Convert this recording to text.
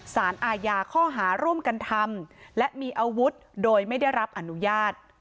สารอาญาข้อหาร่วมกันทำและมีอาวุธโดยไม่ได้รับอนุญาต